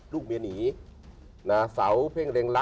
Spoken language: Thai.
คุณก็รู้น่าตอบด้วยนะ